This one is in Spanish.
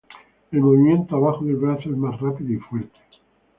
El movimiento abajo del brazo es más rápido y fuerte.